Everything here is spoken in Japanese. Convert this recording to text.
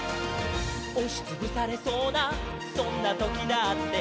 「おしつぶされそうなそんなときだって」